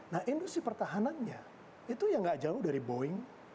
nah industri pertahanannya itu ya nggak jauh dari boeing